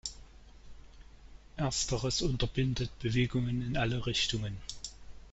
Ersteres unterbindet Bewegungen in alle Richtungen.